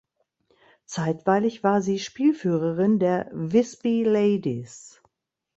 Zeitweilig war sie Spielführerin der „Visby Ladies“.